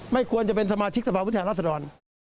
ไม่ควรจะเป็นสมาชิกสภาพุทธหลักษณะรสดร